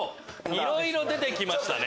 いろいろ出てきましたね。